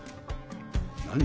何？